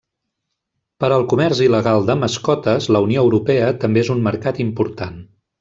Per al comerç il·legal de mascotes, la Unió Europea també és un mercat important.